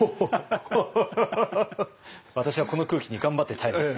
私はこの空気に頑張って耐えます。